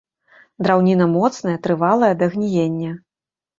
Драўніна моцная, трывалая да гніення.